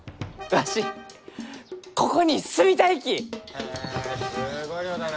へえすごい量だな。